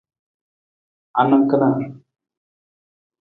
Anang kana?